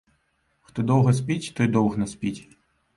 Хто доўга спіць, той доўг наспіць.